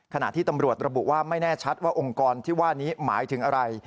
ขณะที่ตำรวจระบุว่าไม่แน่ชัดว่าองค์กรที่ว่านี้หมายถึงอะไร